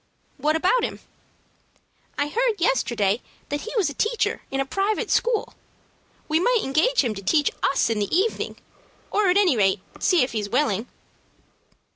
"What about him?" "I heard yesterday that he was a teacher in a private school. We might engage him to teach us in the evening, or, at any rate, see if he is willing."